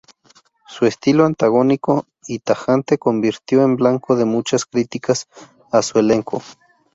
Su estilo antagónico y tajante convirtió en blanco de muchas críticas a su elenco.